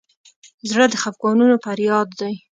زړه د خفګانونو فریاد دی.